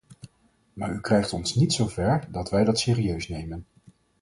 Maar u krijgt ons niet zo ver dat wij dat serieus nemen.